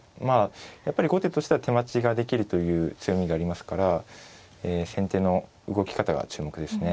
やっぱり後手としては手待ちができるという強みがありますから先手の動き方が注目ですね。